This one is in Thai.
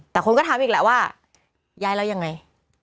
แต่คนก็ถามอีกแหละว่าย้ายแล้วยังไง